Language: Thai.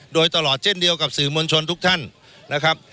โดยตลอดเช่นเดียวกับสื่อมวลชนทุกท่านนะครับ